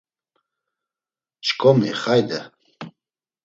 Ç̌ǩomi xayde!